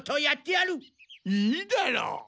いいだろう。